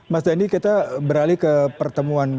mas dandi kita beralih ke pertemuan